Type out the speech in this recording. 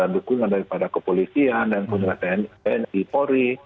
dukungan daripada kepolisian dan tni pori